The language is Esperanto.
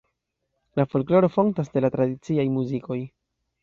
La folkloro fontas de la tradiciaj muzikoj.